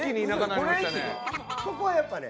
ここはやっぱね。